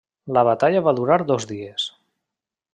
La batalla va durar dos dies.